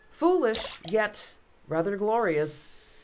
"Foolish, yet rather glorious.